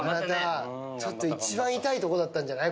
ちょっと、一番痛い所だったんじゃない？